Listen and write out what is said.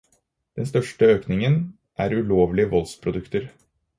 Den største økningen er ulovlige voldsprodukter.